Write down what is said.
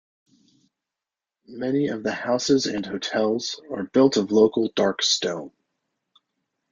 Many of the houses and hotels are built of local dark stone.